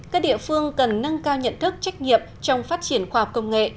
các địa phương cần nâng cao nhận thức trách nhiệm trong phát triển khoa học công nghệ